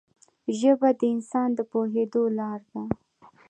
ژبه د انسان د پوهېدو لاره ده